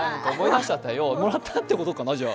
もらったってことかな。